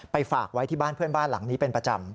ฝากไว้ที่บ้านเพื่อนบ้านหลังนี้เป็นประจำ